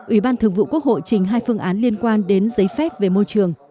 ủy ban thường vụ quốc hội trình hai phương án liên quan đến giấy phép về môi trường